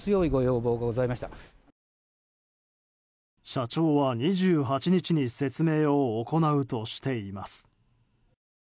社長は２８日に説明を行うとしています。